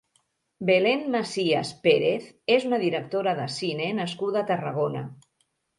Belén Macías Pérez és una directora de cine nascuda a Tarragona.